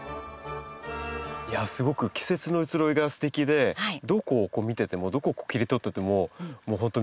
すごく季節の移ろいがすてきでどこを見ててもどこを切り取ってても本当見応えがありますよね。